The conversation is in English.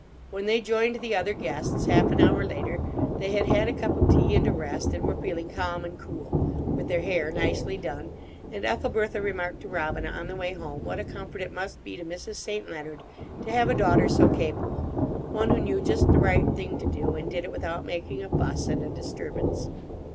When they joined the other guests, half an hour later, they had had a cup of tea and a rest, and were feeling calm and cool, with their hair nicely done; and Ethelbertha remarked to Robina on the way home what a comfort it must be to Mrs. St. Leonard to have a daughter so capable, one who knew just the right thing to do, and did it without making a fuss and a disturbance.